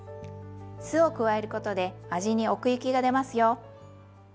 酢を加えることで味に奥行きがでますよ。